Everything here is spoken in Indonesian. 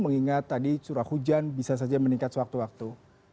mengingat tadi curah hujan bisa saja meningkat sewaktu waktu